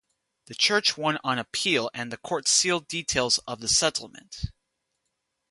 The Church won on appeal and the court sealed details of the settlement.